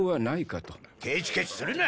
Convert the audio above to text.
ケチケチするな！